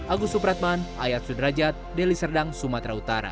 agus supratman ayat sudrajat deliserdang sumatera utara